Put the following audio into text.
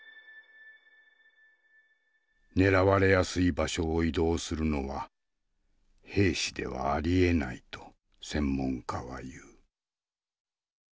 狙われやすい場所を移動するのは兵士ではありえないと専門家は言う。